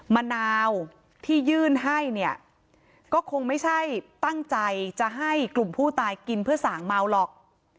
มะนาวที่ยื่นให้เนี่ยก็คงไม่ใช่ตั้งใจจะให้กลุ่มผู้ตายกินเพื่อสั่งเมาหรอก